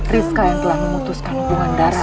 rizka yang telah memutuskan hubungan darah